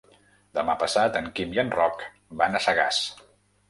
Demà passat en Quim i en Roc van a Sagàs.